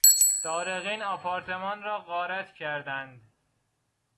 سارقین آپارتمان را غارت کردند.